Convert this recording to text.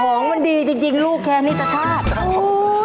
ของมันดีจริงลูกแคลนิตรภาพ